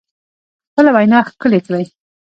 خپله وینا ښکلې کړئ